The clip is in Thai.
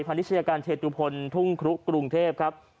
พันธิชยการเทศจุพลทุ่งครุกกรุงเทพครับ